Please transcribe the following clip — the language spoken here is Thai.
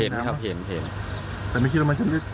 เห็นครับเห็นเห็นแต่ไม่คิดว่ามันจะลึก